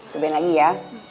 cobain lagi ya